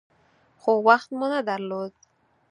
خو وخت مو نه درلود .